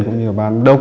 cũng như bán đốc